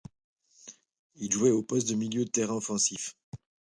Il jouait au poste de milieu de terrain offensif.